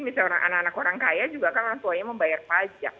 misalnya anak anak orang kaya juga kan orang tuanya membayar pajak